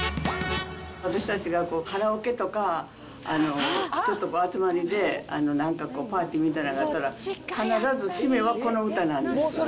私たちがこう、カラオケとか、人とかの集まりで、なんかこう、パーティーみたいなのがあったら、必ず締めはこの歌なんです。